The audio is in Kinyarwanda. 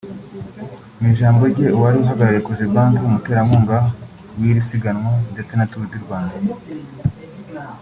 Mu ijambo rye uwari ahagarariye Cogebaque umuterankunga w’iri siganwa ndetse na Tour du Rwanda